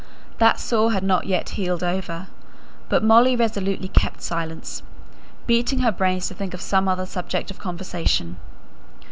That sore had not yet healed over; but Molly resolutely kept silence, beating her brains to think of some other subject of conversation.